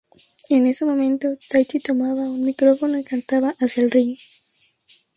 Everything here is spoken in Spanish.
En ese momento, Taichi tomaba un micrófono y cantaba hacia el ring.